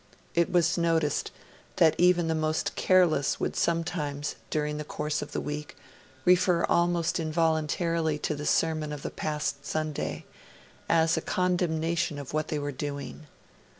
It was noticed that even the most careless would sometimes, during the course of the week, refer almost involuntarily to the sermon of the past Sunday, as a condemnation of what they were doing.